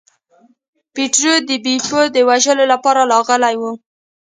پیټرو د بیپو د وژلو لپاره راغلی و.